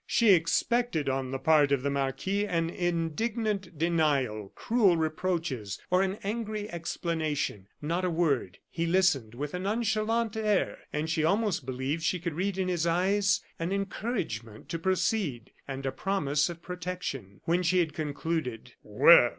She expected, on the part of the marquis, an indignant denial, cruel reproaches, or an angry explanation. Not a word. He listened with a nonchalant air, and she almost believed she could read in his eyes an encouragement to proceed, and a promise of protection. When she had concluded: "Well!"